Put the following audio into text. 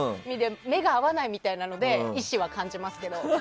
目が合わないみたいなので意思は感じますけども。